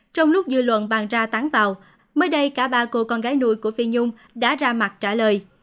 trong lúc dư luận bàn ra tán vào mới đây cả ba cô con gái nuôi của phi nhung đã ra mặt trả lời